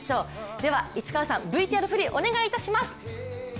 では市川さん、ＶＴＲ振りお願いします。